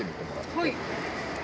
はい。